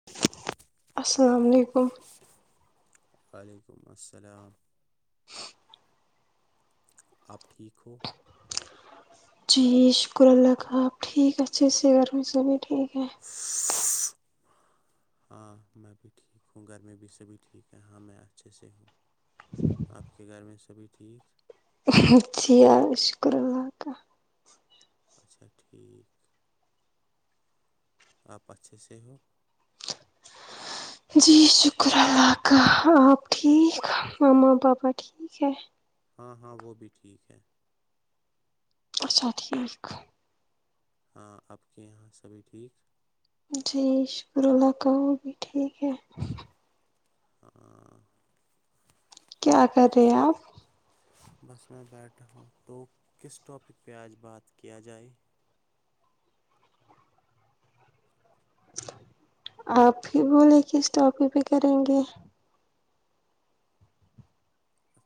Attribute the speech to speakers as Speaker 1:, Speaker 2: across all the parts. Speaker 1: [inaudible]
Speaker 2: السلام علیکم
Speaker 1: وعلیکم السلام آپ ٹھیک ہو
Speaker 2: جی شکر اللہ کا آپ ٹھیک اچھے سے گھر میں سب بھی ٹھیک ہے
Speaker 1: ہاں میں بھی ٹھیک ہوں گھر میں بھی سب ٹھیک ہے ہاں میں اچھے سے ہوں آپ کے گھر میں سبھی ٹھیک
Speaker 2: اچھیا شکر ال
Speaker 1: اچھا ٹھیک آپ اچھے سے ہو
Speaker 2: جی شکر اللہ کا آپ ٹھیک مما بابا ٹھیک ہے
Speaker 1: ہاں ہاں وہ بھی ٹھیک ہے
Speaker 2: اچھا ٹھیک ہے
Speaker 1: ہاں آپ کے یہاں سبھی ٹھیک
Speaker 2: جی شکر اللہ کا وہ بھی ٹھیک ہے
Speaker 1: آ
Speaker 2: کیا کر رہے ہیں آپ
Speaker 1: بس میں بیٹھا ہوں تو کس ٹاپک پہ آج بات کیا جائے
Speaker 2: آپ ہی بولے کس ٹاپیک پہ کریں گے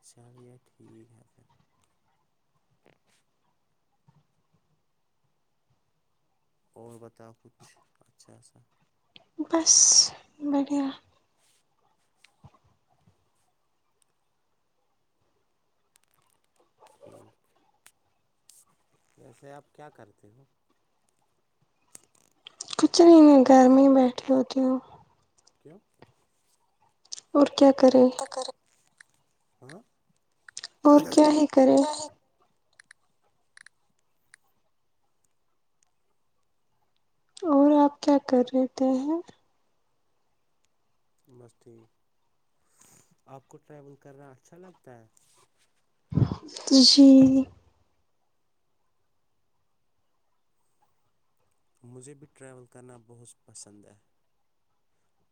Speaker 1: چلیے ٹھیک ہے پھر اور بتاؤ کچھ اچھا سا
Speaker 2: بس بڑھیا
Speaker 1: ٹھیک جیسے آپ کیا کرتے ہو
Speaker 2: کچھ نہیں میں گھر میں ہی بیٹھی ہوتی ہوں
Speaker 1: کیا
Speaker 2: اور کیا کریں
Speaker 1: کر ہاں
Speaker 2: اور کیا ہے کریں اور آپ کیا کر رہ تھ ہیں
Speaker 1: مست ٹھیک آپ کو ٹریول کرنا اچھا لگتا ہے
Speaker 2: جی
Speaker 1: مجھے بھی ٹریول کرنا بہت پسند ہے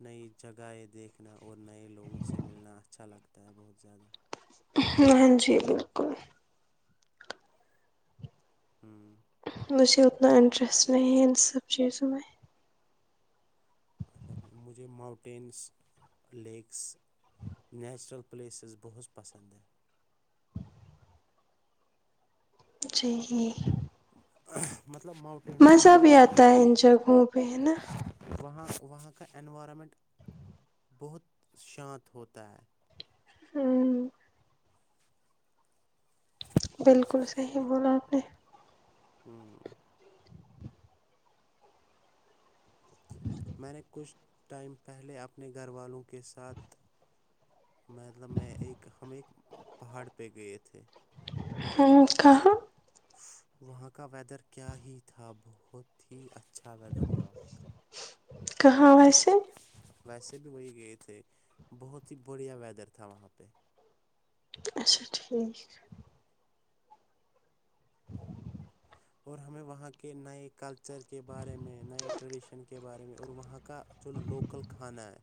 Speaker 1: نئی جگہیں دیکھنا اور نئے لوگوں سے ملنا اچھا لگتا ہے بہت زیادہ
Speaker 2: ہاں جی بالکل
Speaker 1: ہوں
Speaker 2: مجھے اتنا انٹرسٹ نہیں ہے ان سب چیزوں میں
Speaker 1: اچھا ا مجھے ماؤنٹینس لیکس نیچرل پلیسز بہت پسند ہیں
Speaker 2: جی
Speaker 1: مطلب موٹ
Speaker 2: مزہ بھی آتا ہے ان جگہوں پہ ہے نا
Speaker 1: وہاں وہاں کا انوائرمنٹ بہت شانت ہوتا ہے
Speaker 2: ہمم بالکل صحیح بولا نے
Speaker 1: ہمم میں نے کچھ ٹائم پہلے اپنے گھر والوں کے ساتھ مطلب میں ایک ہم ایک پہاڑ پہ گئے تھے
Speaker 2: ہاں کہاں
Speaker 1: وہاں کا ویدر کیا ہی تھا بہت ہی اچھا ویدر تھا کا
Speaker 2: کہاں ویسے
Speaker 1: ویسے بھی وہی گئے تھے بہت ہی بڑھیا ویدر تھا وہاں پہ
Speaker 2: اچھا ٹھیک
Speaker 1: اور ہمیں وہاں کے نئے کلچر کے بارے میں نئے ٹریڈیشن کے بارے میں اور وہاں کا جو لوکل کھانا ہے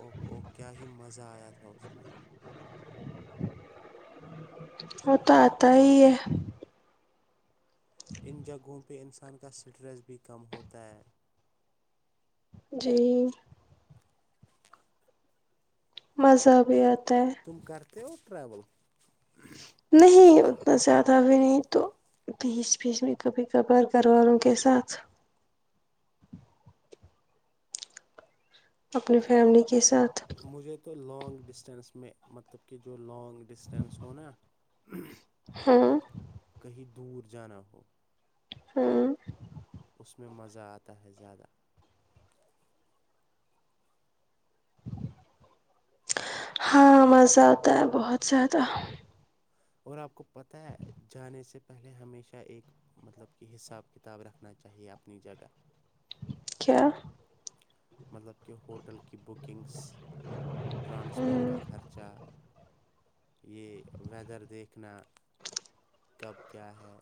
Speaker 1: او او کیا ہی مزہ آیا تھا اس میں
Speaker 2: وہ تو آتا ہی ہے
Speaker 1: ان جگہوں پہ انسان کا اسٹریس بھی کم ہوتا ہے
Speaker 2: جی مزہ بھی آتا ہے
Speaker 1: تم کرتے ہو ٹریول
Speaker 2: نہیں اتنا زیادہ ابھی نہیں تو پیس پیس میں کبھی کپار گھرواوں کے ساتھ اپنی فیملی کے ساتھ
Speaker 1: مجھے تو لانگ ڈسٹینس میں مطلب کہ جو لانگ ڈسٹینس ہوناا
Speaker 2: ہاں
Speaker 1: کہیں دور جانا ہو
Speaker 2: ہوں
Speaker 1: اس میں مزہ آتا ہے زیادہ
Speaker 2: ہاں مزہ آتا ہے بہت زیادہ
Speaker 1: اور آپ کو پتا ہے جانے سے پہلے ہمیشہ ایک مطلب کہ حساب کتاب رکھنا چاہیے اپنی جگہ
Speaker 2: کیا
Speaker 1: مطلب کہ ہوٹل کی بکنگس ٹرانسپورٹ
Speaker 2: ہ
Speaker 1: کا خرچہ یہ ویدر دیکھنا کب کیا ہے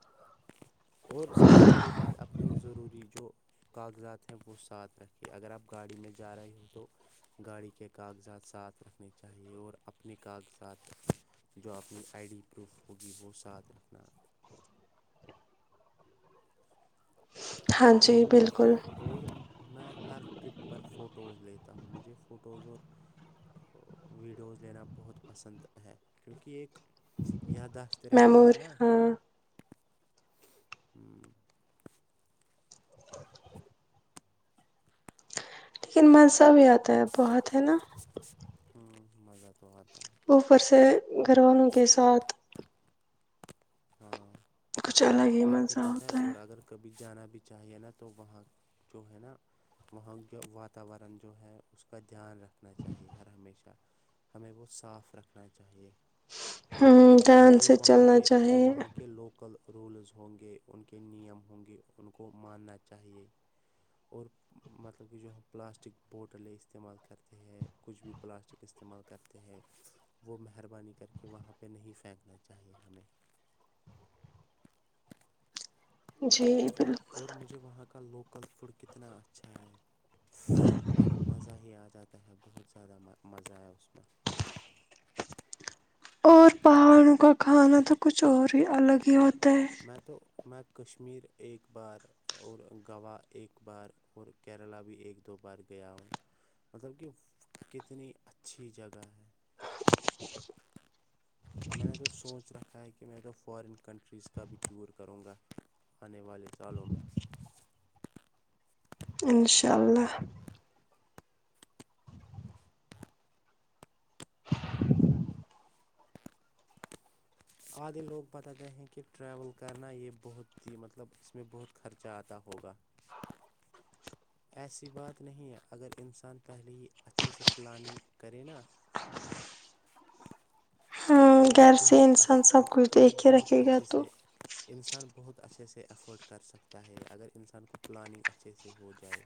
Speaker 1: اور سب سے بڑی بات اپنے ضروری جو کاغذات ہیں وہ ساتھ رکھی اگر آپ گاڑی میں جا رہی ہوں تو گاڑی کے کاغذات ساتھ رکھنے چاہیے اور اپنے کاغذات جو اپنی آئی ڈی پروف ہوگی وہ ساتھ رکھنا
Speaker 2: ہاں
Speaker 1: اور
Speaker 2: جی
Speaker 1: میں
Speaker 2: بالکل
Speaker 1: اور میں ہر ٹرپ پر فوٹوز لیتا ہوں مجھے فوٹوز اور ویڈیوز لینا بہت پسند ہے کیونکہ ایک یادداشت رہتی
Speaker 2: میمور
Speaker 1: ہے نہ
Speaker 2: ہاں لیکن مزہ بھی آتا ہے بہت ہے نا
Speaker 1: ہمم مزہ تو آتا ہے
Speaker 2: اوپر سے گھر والوں کے ساتھ
Speaker 1: ہاں
Speaker 2: کچھ الگ ہی
Speaker 1: آپ کو
Speaker 2: مزہ
Speaker 1: پتہ
Speaker 2: آتا ہے
Speaker 1: اور اگر کبھی جانا بھی چاہیے نا تو وہاں جو ہے نا وہاں کے واتاورن جو ہے اس کا دھیان رکھ رکھنا چاہیے ہر ہمیشہ ہمیں وہ صاف رکھنا چاہیے
Speaker 2: ہاں
Speaker 1: اور
Speaker 2: دھیان
Speaker 1: جو
Speaker 2: سے
Speaker 1: وہاں
Speaker 2: چلنا
Speaker 1: کے
Speaker 2: چاہے
Speaker 1: جو وہاں کے لوکل رولز ہوں گے ان کے نیم ہوں گے ان کو ماننا چاہیے اور مطلب کہ جو ہم پلاسٹک بوٹلیں استعمال کرتے ہیں کچھ بھی پلاسٹک استعمال کرتے ہیں وہ مہربانی کر کے وہاں پہ نہیں پھینکنا چاہیے ہمیں
Speaker 2: جی بالکل
Speaker 1: اور مجھے وہاں کا لوکل فوڈ کتنا اچھا ہے اس میں مزہ ہی آ جاتا ہے بہت زیادہ مزہ ہے اس میں
Speaker 2: اور پہاڑوں کا کھانا تو کچھ اور ہی الگ ہی ہوتا ہے
Speaker 1: میں تو میں کشمیر ایک بار اور گوا ایک بار اور کیرلا بھی ایک دو بار گیا ہوں مطلب کہ کتنی اچھی جگہ ہے میں نے تو سوچ رکھا ہے کہ میں تو فارن کنٹریز کبھی ٹور کروں گا آنے والے سالوں میں
Speaker 2: انشاء اللہ
Speaker 1: آدھے لوگ بتا گئے ہیں کہ ٹریول کرنا یہ بہت ہی مطلب اس میں بہت خرچہ آتا ہوگا ایسی بات نہیں ہے اگر انسان پہلے ہی اچھے سے پلاننگ کرے نا
Speaker 2: ہاں
Speaker 1: تو یہ
Speaker 2: گھر سے
Speaker 1: بہت ا
Speaker 2: انسان سب
Speaker 1: مطلب
Speaker 2: کچھ
Speaker 1: کہ یہ
Speaker 2: دیکھ کے
Speaker 1: بہت
Speaker 2: رکھے گا
Speaker 1: اچھے
Speaker 2: تو
Speaker 1: سے انسان بہت اچھے سے افورڈ کر سکتا ہے اگر انسان کو پلاننگ اچھے سے ہو جائے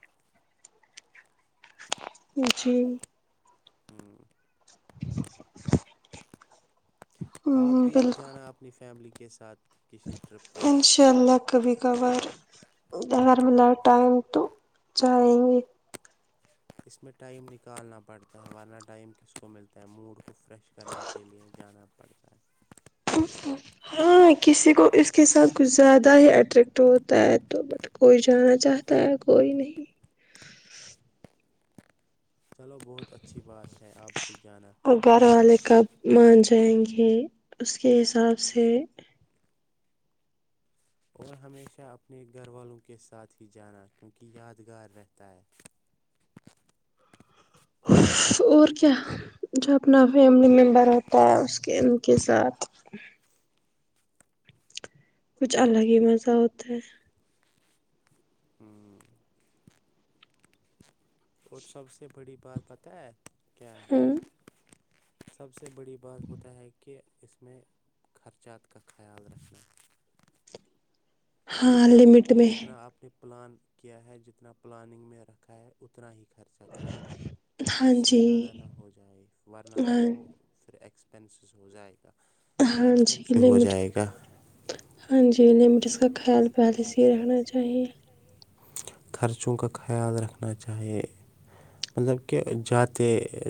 Speaker 2: جی
Speaker 1: ہوں
Speaker 2: ہوں
Speaker 1: آپ
Speaker 2: ہوں
Speaker 1: بھی
Speaker 2: بالکل
Speaker 1: اب جانا اپنی فیملی کے ساتھ کسی ٹرپ پہ
Speaker 2: انچ چلنا کبھی کبھار اگر ملا ٹائم تو جائیں گے
Speaker 1: اس میں ٹائم نکالنا پڑتا ہے ورنہ ٹائم کس کو ملتا ہے موڈ کو فریش کرنے کے لیے جانا پڑتا ہے
Speaker 2: ہاں کسی کو اس کے ساتھ کچھ زیادہ ہی اٹریکٹ ہوتا ہے تو بتا کوئی جانا چاہتا ہے کوئی نہیں
Speaker 1: چلو بہت اچھی بات ہے آپ بھی جانا
Speaker 2: اور گھر والے کب مان جائیں گے اس کے حساب سے
Speaker 1: اور ہمیشہ اپنے گھر والوں کے ساتھ ہی جانا کیونکہ یادگار رہتا ہے
Speaker 2: اور کیا جو اپنا فیملی ممبر ہوتا ہے اس کے ان کے ساتھ کچھ الگ ہی مزہ ہوتا ہے
Speaker 1: ہوں اور سب سے بڑی بات پتا ہے کیا ہے
Speaker 2: ہاں
Speaker 1: سب سے بڑی بات ہوتا ہے کہ اس میں خرچات کا خیال رکھنا
Speaker 2: ہاں
Speaker 1: جتنا
Speaker 2: لمٹ میں
Speaker 1: جتنا آپ نے پلان کیا ہے جتنا پلاننگ میں رکھا ہے اتنا ہی خرچا کرے
Speaker 2: ہاں
Speaker 1: اس سے
Speaker 2: جی
Speaker 1: زیادہ نہ ہو جائے ورنہ پھر
Speaker 2: ہاں
Speaker 1: وہ پھر ایکسپ پینس ہو جائے گا
Speaker 2: ہاں جی
Speaker 1: ایکسپینسو ہو
Speaker 2: لمٹ
Speaker 1: جائے گا
Speaker 2: ہاں جی لمٹ جس
Speaker 1: جی
Speaker 2: کا خیال
Speaker 1: لمٹس کا
Speaker 2: پہلے سے
Speaker 1: خیال
Speaker 2: ہی
Speaker 1: پہلے
Speaker 2: رکھنا
Speaker 1: سے ہی
Speaker 2: چاہیے
Speaker 1: رکھنا چاہیے خرچوں کا خیال رکھنا چاہیے مطلب کہ جاتے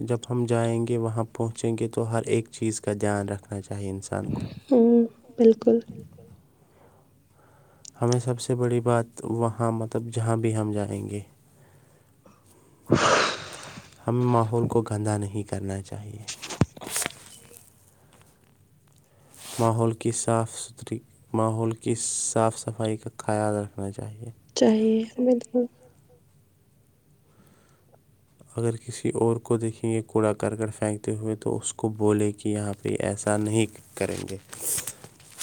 Speaker 1: جب ہم جائیں گے وہاں پہنچیں گے تو ہر ایک چیز کا دھیان رکھنا چاہے انسان کو
Speaker 2: ہم
Speaker 1: ہوں،
Speaker 2: بالکل
Speaker 1: بالکل ہمیں سب سے بڑی بات وہاں مطلب جہاں بھی ہم جائیں گے
Speaker 2: [inaudible]
Speaker 1: ہمیں ماحول کو گندہ نہیں کرنا چاہیے ماحول کی صاف ستھری ماحول کی صاف صفائی کا خیال رکھنا چاہیے
Speaker 2: چاہیے بالکل
Speaker 1: اگر کسی اور کو دیکھیں گے کوڑا کرکٹ پھینکتے ہوئے تو اس کو بولے کہ یہاں پہ ایسا نہیں کریں گے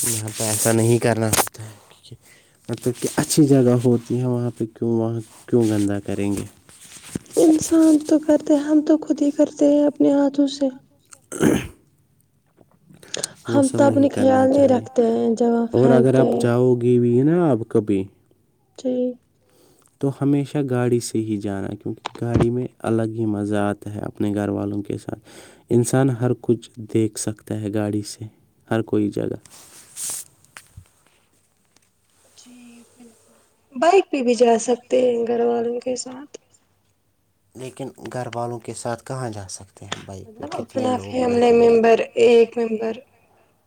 Speaker 1: یہاں پہ ایسا نہیں کرنا ہوتا مطلب کہ اچھی جگہ ہوتی ہیں وہاں پہ کیوں وہاں کیوں گندہ کریں گے
Speaker 2: انسان تو کرتے ہم تو خود ہی کرتے ہیں اپنے ہاتھوں سے
Speaker 1: وہ
Speaker 2: ہم
Speaker 1: سب
Speaker 2: تو
Speaker 1: نہیں
Speaker 2: اپنے
Speaker 1: کرنا
Speaker 2: خیال نہیں
Speaker 1: چاہیے
Speaker 2: رکھتے ہیں جب ہم
Speaker 1: اور اگر
Speaker 2: پھینکتے
Speaker 1: آپ
Speaker 2: ہیں
Speaker 1: جاؤ ئے ویہ [unintelligible] نا آپ کبھی
Speaker 2: جی
Speaker 1: تو ہمیشہ گاڑی سے ہی جانا کیونکہ گاڑی میں الگ ہی مزہ آتا ہے اپنے گھر والوں کے ساتھ انسان ہر کچھ دیکھ سکتا ہے گاڑی سے ہر کوئی جگہ
Speaker 2: جی بالکل بائک پہ بھی جا
Speaker 1: پہ بھی
Speaker 2: سکتے
Speaker 1: جا
Speaker 2: ہیں گھر والوں کے ساتھ
Speaker 1: لیکن گھر والوں کے ساتھ کہاں جا سکتے ہیں بائک پہ
Speaker 2: مطلب
Speaker 1: کتنے
Speaker 2: اپنا
Speaker 1: لوگ
Speaker 2: فیملی
Speaker 1: بیٹھیں گے
Speaker 2: ممبر
Speaker 1: ممبر
Speaker 2: ایک ممبر
Speaker 1: ممبر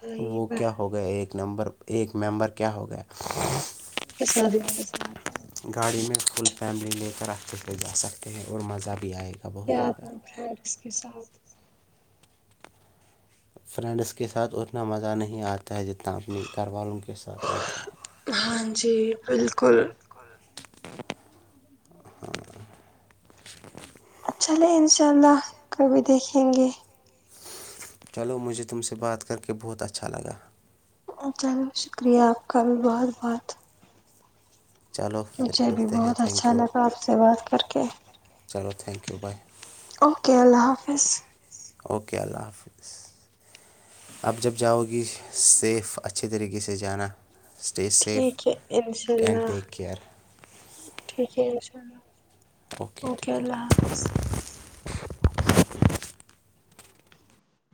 Speaker 2: بھائی
Speaker 1: وہ کیا
Speaker 2: بہن
Speaker 1: ہو گیا ایک نمبر ایک ممبر کیا ہو گیا
Speaker 2: کے سدیو میں مزہ اتا ہیں
Speaker 1: گاڑی میں فل فیملی لے کر اکیلا جا سکتے ہیں اور مزہ بھی آئےا
Speaker 2: کیہ پترہو [unintelligible] اپ اس کے ساتھ
Speaker 1: فرینڈس کے ساتھ اتنا مزہ نہیں آتا ہے جتنا اپنے گھر والوں کے ساتھ آتا ہے
Speaker 2: ہاں جی بالکل چلیں ان شاء اللہ
Speaker 1: انشاء
Speaker 2: کبھی
Speaker 1: ہم کو
Speaker 2: دیکھیں
Speaker 1: بھی
Speaker 2: گے
Speaker 1: دیکھیں گے چلو مجھے تم سے بات کر کے بہت اچھا لگا
Speaker 2: چلو شکریہ آپ کا بھی
Speaker 1: شکریہ
Speaker 2: بہت
Speaker 1: آپ کا بھی
Speaker 2: بہت
Speaker 1: بہت چلو پھر
Speaker 2: مجھے بھی
Speaker 1: ملتے ہیں
Speaker 2: بہت
Speaker 1: تھینک
Speaker 2: اچھا
Speaker 1: یو
Speaker 2: لگا آپ سے بات کر کے
Speaker 1: چلو تھینک یو بائے
Speaker 2: اوکے اللہ
Speaker 1: اوکے
Speaker 2: حافظ
Speaker 1: اللہ حافظ اوکے اللہ حافظ اب جب جاؤ گی سیف اچھے طریقے سے جانا اسٹے سیف
Speaker 2: ٹھیک ہے انشاء
Speaker 1: اینڈ
Speaker 2: اللہ
Speaker 1: ٹیک کیئر
Speaker 2: ٹھیک ہے انشاء اللہ اوکے
Speaker 1: ٹیک کیئر
Speaker 2: اللہ حافظ